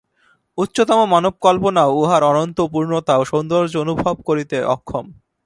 উচ্চতম মানব-কল্পনাও উহার অনন্ত পূর্ণতা ও সৌন্দর্য অনুভব করিতে অক্ষম।